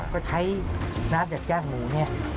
ก็ใช้น้ำจากย่างหมูเนี่ย